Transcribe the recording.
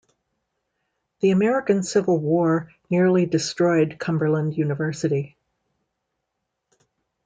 The American Civil War nearly destroyed Cumberland University.